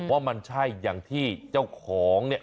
ว่ามันใช่อย่างที่เจ้าของเนี่ย